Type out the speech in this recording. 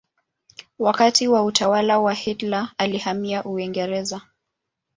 Wakati wa utawala wa Hitler alihamia Uingereza.